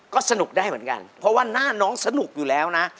ก็สนุกได้เหมือนกันเพราะว่าหน้าน้องสนุกอยู่แล้วนะ